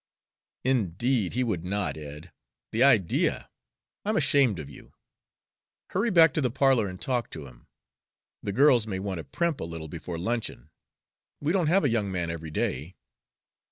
"Indeed, he would not, Ed, the idea! I'm ashamed of you. Hurry back to the parlor and talk to him. The girls may want to primp a little before luncheon; we don't have a young man every day."